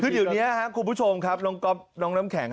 คืออยู่นี้ครับคุณผู้ชมครับล้องน้ำแข็ง